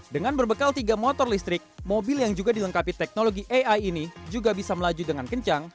dengan berbekal tiga motor listrik mobil yang juga dilengkapi teknologi ai ini juga bisa melaju dengan kencang